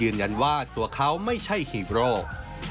ยืนยันว่าตัวเขาไม่ใช่ฮีโรค